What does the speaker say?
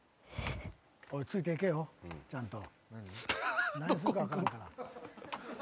ついていけよちゃんと。